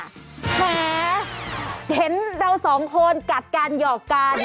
แหมเห็นเราสองคนกัดการหยอกกัน